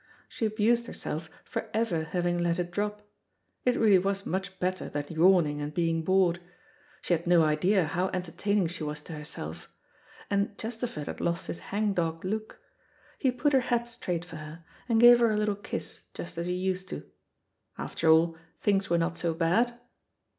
She abused herself for ever having let it drop. It really was much better than yawning and being bored. She had no idea how entertaining she was to herself. And Chesterford had lost his hang dog look. He put her hat straight for her, and gave her a little kiss just as he used to. After all, things were not so bad.